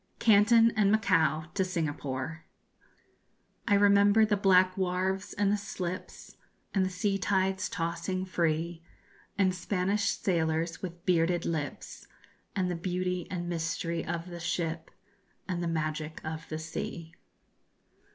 CANTON AND MACAO TO SINGAPORE. I remember the black wharves and the slips, And the sea tides tossing free; And Spanish sailors with bearded lips, And the beauty and mystery of the ship _And the magic of the sea.